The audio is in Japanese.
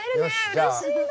うれしいな。